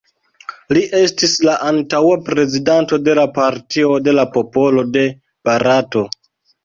Li estis la antaŭa Prezidanto de la Partio de la Popolo de Barato.